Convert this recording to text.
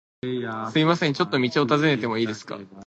すみません、ちょっと道を尋ねてもいいですか？